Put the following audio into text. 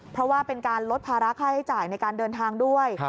เพราะว่าเป็นการลดภาระค่าใช้จ่ายในการเดินทางด้วย